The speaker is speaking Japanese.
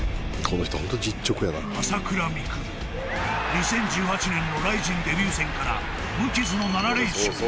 ［２０１８年のＲＩＺＩＮデビュー戦から無傷の７連勝］